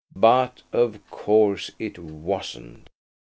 But of course it wasn't.